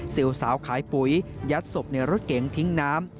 สาวขายปุ๋ยยัดศพในรถเก๋งทิ้งน้ำ